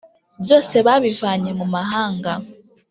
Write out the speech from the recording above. byose babivanye mumahanga